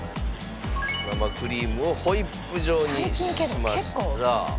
生クリームをホイップ状にしましたら。